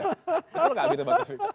kalau nggak gitu bang taufik